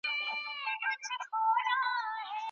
خطاطي بې هنره نه وي.